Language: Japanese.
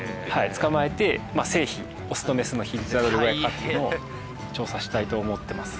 捕まえて性比オスとメスの比率はどれぐらいかっていうのを調査したいと思ってます。